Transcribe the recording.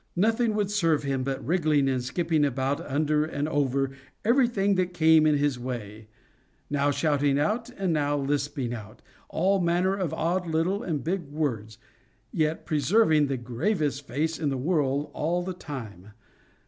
Nothing would serve him but wriggling and skipping about under and over every thing that came in his way; now shouting out, and now lisping out, all manner of odd little and big words, yet preserving the gravest face in the world all the time.